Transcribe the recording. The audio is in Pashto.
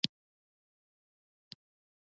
آیا په بیرغ ویاړو؟